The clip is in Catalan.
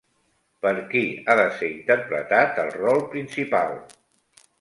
Per qui ha de ser interpretat el rol principal?